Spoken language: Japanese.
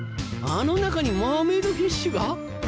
あの中にマーメイドフィッシュが？